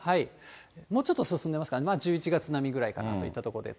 もうちょっと進んでますか、１１月並みぐらいかなといったところで。